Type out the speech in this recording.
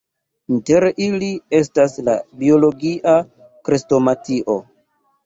Inter ili estas la Biologia Krestomatio.